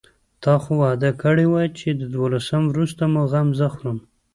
تا خو وعده کړې وه چې د دولسم وروسته مو غم زه خورم.